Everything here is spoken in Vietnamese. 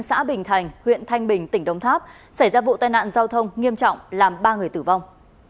xã bình thành huyện thanh bình tỉnh đồng tháp xảy ra vụ tai nạn giao thông nghiêm trọng làm ba người tử vong